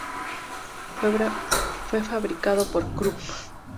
Fue fabricado por Krupp.